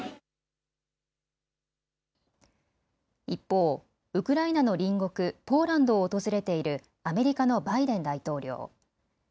一方、ウクライナの隣国ポーランドを訪れているアメリカのバイデン大統領。